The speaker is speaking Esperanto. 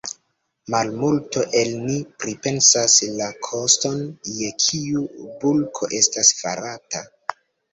Malmulto el ni pripensas la koston je kiu bulko estas farata.